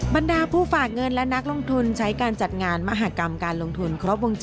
บรรดาผู้ฝากเงินและนักลงทุนใช้การจัดงานมหากรรมการลงทุนครบวงจร